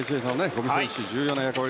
五味選手、重要な役割